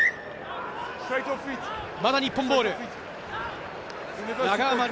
まだ日本ボール。